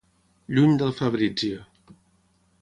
Lluny del Fabrizio.